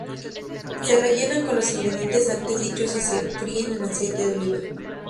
Se rellenan con los ingredientes antes dichos y se fríen en aceite de oliva.